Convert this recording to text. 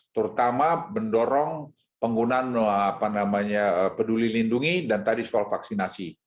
terutama mendorong penggunaan peduli lindungi dan tadi soal vaksinasi